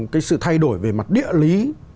cái sự thay đổi về mặt địa lý